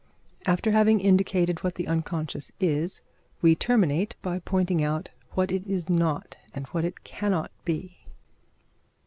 After having indicated what the unconscious is, we will terminate by pointing out what it is not and what it cannot be.